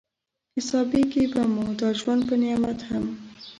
حسابېږي به مو دا ژوند په نعمت هم